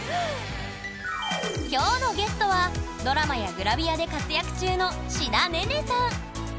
今日のゲストはドラマやグラビアで活躍中の志田音々さん！